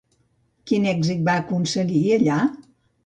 Quin èxit va aconseguir allà?